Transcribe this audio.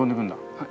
はい。